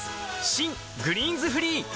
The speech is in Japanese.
新「グリーンズフリー」